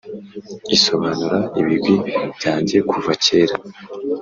isobanura ibigwi byange kuva kera